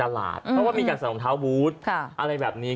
เพราะว่ามีการใส่รองเท้าบูธอะไรแบบนี้